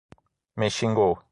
Me xingou.